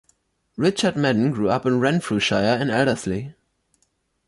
Richard Madden grew up in Renfrewshire in Elderslie.